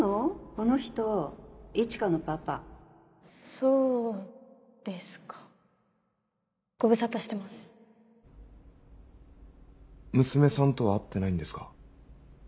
この人一花のそうですかご無沙汰してます娘さんとは会ってないんですか？